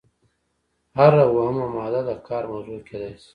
هره اومه ماده د کار موضوع کیدای شي.